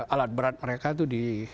alat berat mereka itu di